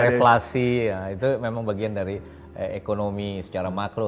reflasi ya itu memang bagian dari ekonomi secara makro